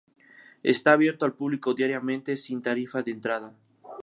Está abierto al público diariamente sin tarifa de entrada.